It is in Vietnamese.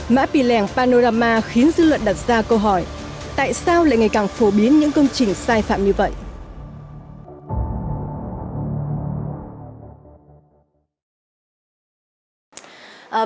mã pì lèng panorama khiến dư luận đặt ra câu hỏi tại sao lại ngày càng phổ biến những công trình sai phạm như vậy